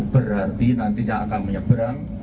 berarti nantinya akan menyeberang